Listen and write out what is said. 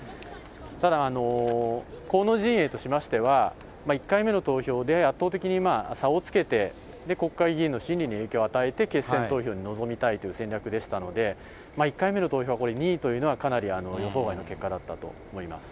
ただ、河野陣営としましては、１回目の投票で圧倒的に差をつけて、国会議員の心理に影響を与えて決選投票に臨みたいという戦略でしたので、１回目の投票が２位というのは、かなり予想外の結果だったと思います。